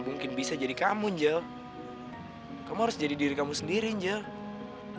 ya udah mulai sekarang aku gak mau lagi nyuruh nyuruh kamu jadi candy